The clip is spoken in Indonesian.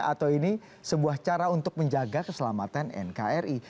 atau ini sebuah cara untuk menjaga keselamatan nkri